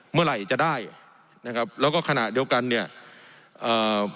เมื่อไหร่จะได้นะครับแล้วก็ขณะเดียวกันเนี่ยเอ่อ